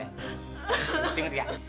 tunggu tinggal ya